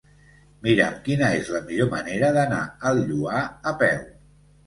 Mira'm quina és la millor manera d'anar al Lloar a peu.